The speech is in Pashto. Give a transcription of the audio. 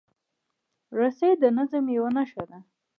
رسۍ د نظم یوه نښه ده.